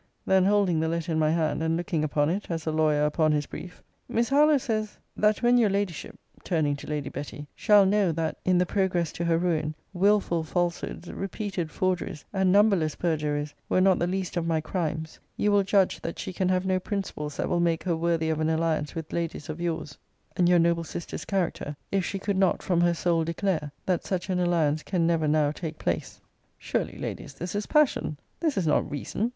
Then holding the letter in my hand, and looking upon it, as a lawyer upon his brief, Miss Harlowe says, 'That when your Ladyship,' [turning to Lady Betty,] 'shall know, that, in the progress to her ruin, wilful falsehoods, repeated forgeries, and numberless perjuries, were not the least of my crimes, you will judge that she can have no principles that will make her worthy of an alliance with ladies of your's, and your noble sister's character, if she could not, from her soul, declare, that such an alliance can never now take place.' Surely, Ladies, this is passion! This is not reason.